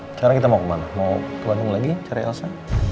sekarang kita mau kemana mau ke bandung lagi cari elsa